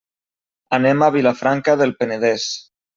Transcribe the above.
Anem a Vilafranca del Penedès.